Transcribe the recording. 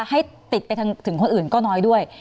ให้ติดไปถึงคนอื่นก็น้อยด้วย